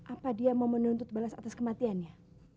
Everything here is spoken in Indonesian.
apa dia mau menuntut balas atas kematiannya